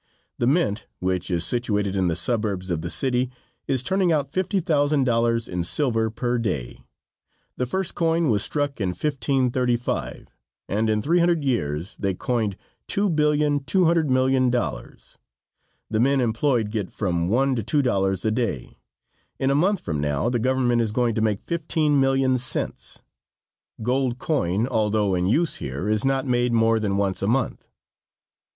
The mint, which is situated in the suburbs of the city, is turning out fifty thousand dollars in silver per day. The first coin struck was in 1535, and in three hundred years they coined $2,200,000,000. The men employed get from one to two dollars a day. In a month from now the government is going to make fifteen million cents. Gold coin, although in use here, is not made more than once a month.